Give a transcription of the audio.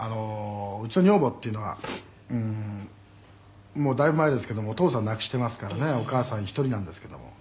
「うちの女房っていうのがもうだいぶ前ですけどもお義父さん亡くしてますからねお義母さん一人なんですけども」